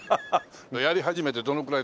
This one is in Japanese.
やり始めてどのぐらい経つの？